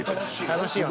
楽しいよ。